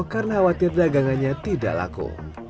karena khawatir dagangannya tidak laku